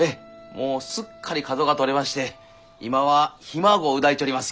もうすっかり角が取れまして今はひ孫を抱いちょりますき。